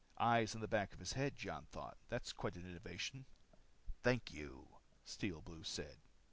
Eyes in the back of his head, Jon thought. That's quite an innovation. "Thank you," Steel Blue said.